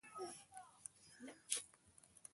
د بادیان دانه د څه لپاره وکاروم؟